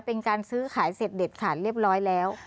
เป็นการซื้อขายเสร็จเด็ดขาดเรียบร้อยแล้ว